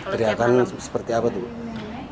teriakan seperti apa tuh